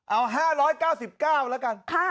เอา๕๙๙แล้วกัน